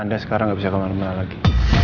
anda sekarang gak bisa ke rumah rumah lagi